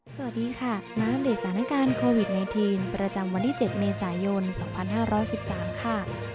สวัสดีค่ะมาอัปเดตสถานการณ์โควิด๑๙ประจำวันที่๗เมษายน๒๕๑๓ค่ะ